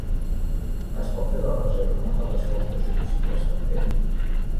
Es pot fer la reserva a les vostres oficines també?